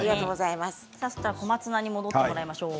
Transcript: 小松菜に戻っていただきましょう。